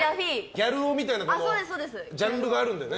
ギャル男みたいなジャンルがあるんだよね。